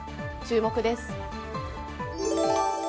注目です。